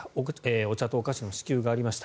お茶とお菓子の支給がありました。